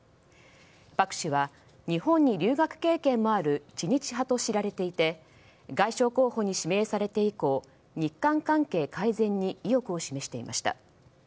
パク氏は日本に留学経験のある知日派として知られていて外相候補に指名されて以降日韓関係改善に意欲を示していました。